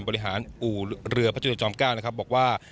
บริหารอู่เรือพระจุลจอม๙นะครับบอกว่า